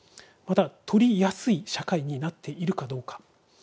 または取りやすい社会になっているかどうか。